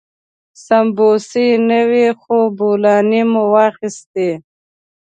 سمبوسې نه وې خو بولاني مو واخيستې.